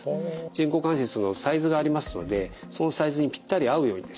人工関節のサイズがありますのでそのサイズにぴったり合うようにですね